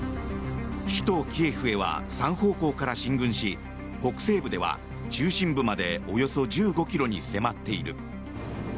首都キエフへは３方向から進軍し北西部では中心部までおよそ１５ｋｍに迫っている。